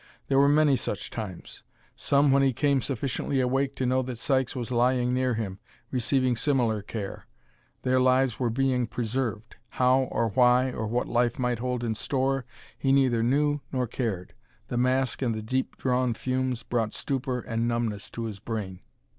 There were many such times; some when he came sufficiently awake to know that Sykes was lying near him, receiving similar care. Their lives were being preserved: How, or why, or what life might hold in store he neither knew nor cared; the mask and the deep drawn fumes brought stupor and numbness to his brain.